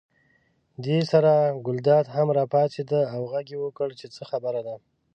دې سره ګلداد هم راپاڅېد او غږ یې وکړ چې څه خبره ده.